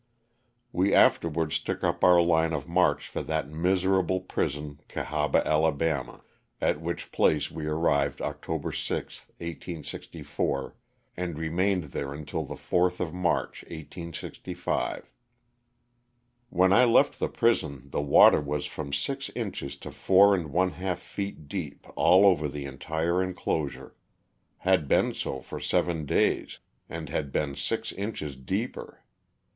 We afterwards took up our line of march for that miserable prison, Oahaba, Ala., at which place we arrived October 6, 1864, and remained there until the 4th of March, 1865. When I left the prison the water was from six inches to four and one half feet deep all over the entire enclosure, had been so for seven days, and had been six inches deeper.